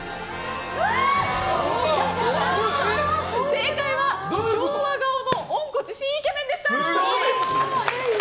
正解は昭和顔の温故知新イケメンでした。